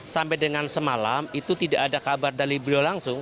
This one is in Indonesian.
sampai dengan semalam itu tidak ada kabar dari beliau langsung